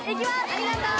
・ありがとう！